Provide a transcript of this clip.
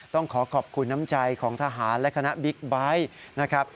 ต้องขอขอบคุณน้ำใจของทหารและคณะบิ๊กไบท์นะครับ